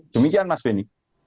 demikian mas beni